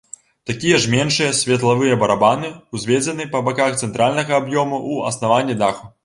Такія ж меншыя светлавыя барабаны ўзведзены па баках цэнтральнага аб'ёму, у аснаванні даху.